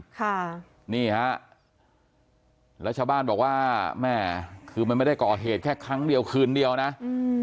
ค่ะนี่ฮะแล้วชาวบ้านบอกว่าแม่คือมันไม่ได้ก่อเหตุแค่ครั้งเดียวคืนเดียวนะอืม